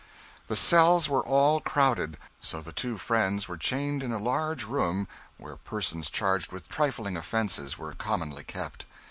The cells were all crowded; so the two friends were chained in a large room where persons charged with trifling offences were commonly kept.